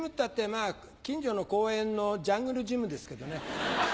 まぁ近所の公園のジャングルジムですけどね。